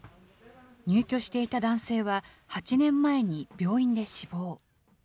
入居していた男性は、８年前に病院で死亡。